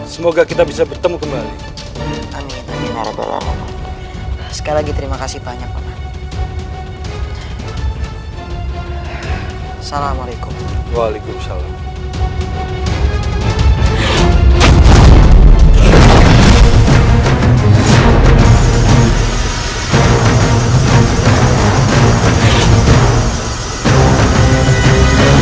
semoga kita bisa bertemu kembali sekali terima kasih banyak paman